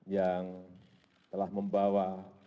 yang telah membawa